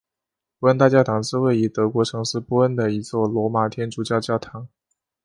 波恩大教堂是位于德国城市波恩的一座罗马天主教教堂。